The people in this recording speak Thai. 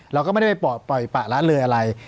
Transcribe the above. เราก็ไม่ได้ไปปล่อยปะละเลยอะไร